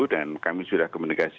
dan kami sudah komunikasi